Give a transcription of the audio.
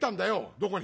「どこに？」。